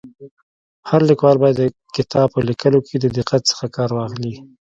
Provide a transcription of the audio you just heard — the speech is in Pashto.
هر لیکوال باید د کتاب په ليکلو کي د دقت څخه کار واخلي.